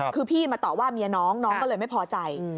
คือพี่มาต่อว่าเมียน้องน้องก็เลยไม่พอใจ